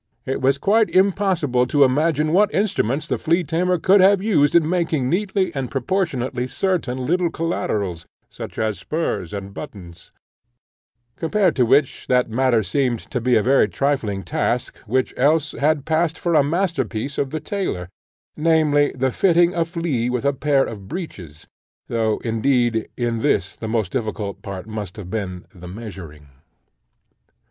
It was quite impossible to imagine what instruments the flea tamer could have used in making neatly and proportionately certain little collaterals, such as spurs and buttons, compared to which that matter seemed to be a very trifling task, which else had passed for a master piece of the tailor, namely, the fitting a flea with a pair of breeches; though, indeed, in this the most difficult part must have been the measuring.